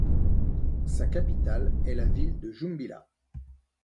Sa capitale est la ville de Jumbilla.